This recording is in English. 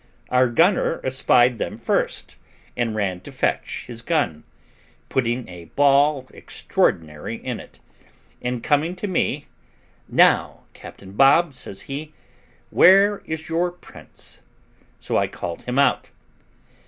Our gunner espied them first, and ran to fetch his gun, putting a ball extraordinary in it; and coming to me, "Now, Captain Bob," says he, "where is your prince?" So I called him out.